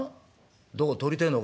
胴を取りてえのか？